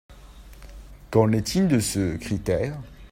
Qu’en est-il de ce critère ?